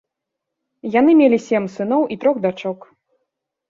Яны мелі сем сыноў і трох дачок.